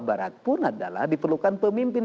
barat pun adalah diperlukan pemimpin